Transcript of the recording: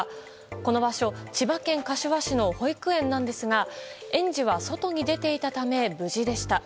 この場所、千葉県柏市の保育園なんですが園児は外に出ていたため無事でした。